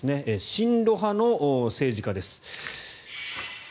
親ロ派の政治家です。